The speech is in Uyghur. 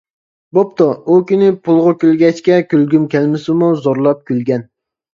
بوپتۇ ئۇ كۈنى پۇلغا كۈلگەچكە كۈلگۈم كەلمىسىمۇ زورلاپ كۈلگەن.